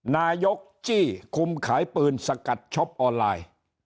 นายกจี้คุมขายปืนสกัดช็อปออนไลน์